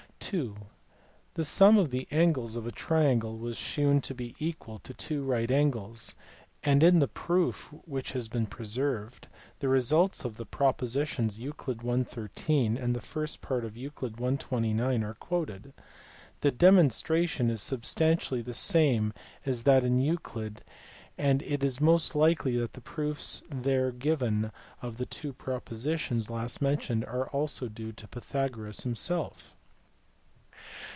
PYTHAGORAS. 25 (ii) The sum of the angles of a triangle was shewn to be equal to two right angles (Euc. I. 32); and in the proof, which has been preserved, the results of the propositions Euc. I. 13 and the first part of Euc. I. 29 are quoted. The demon stration is substantially the same as that in Euclid, and it is most likely that the proofs there given of the two propo sitions last mentioned are also due to Pythagoras himself.